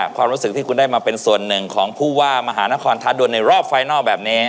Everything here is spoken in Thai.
ความรู้สึกที่คุณได้มาเป็นส่วนหนึ่งของผู้ว่ามหานครท้าดวนในรอบไฟนอลแบบนี้